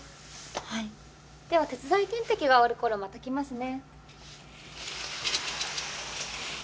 はいでは鉄剤点滴が終わる頃また来ますね